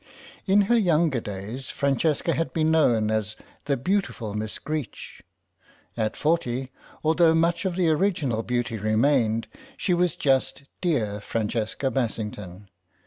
In her younger days Francesca had been known as the beautiful Miss Greech; at forty, although much of the original beauty remained, she was just dear Francesca Bassington.